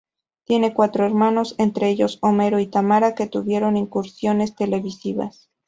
Tiene cuatro hermanos, entre ellos, Homero y Tamara que tuvieron incursiones televisivas.